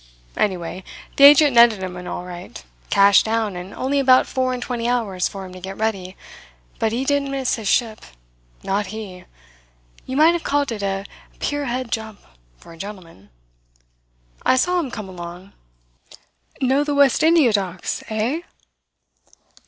Anyway, the agent netted him in all right cash down, and only about four and twenty hours for him to get ready; but he didn't miss his ship. Not he! You might have called it a pier head jump for a gentleman. I saw him come along. Know the West India Docks, eh?"